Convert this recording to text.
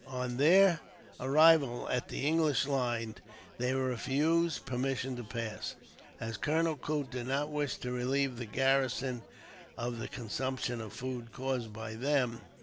On their arrival at the English lines they were refused permission to pass, as Colonel Coote did not wish to relieve the garrison of the consumption of food caused by them.